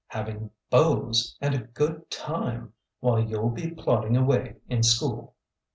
having beaus! and a good time ! while you 'll be plodding away in school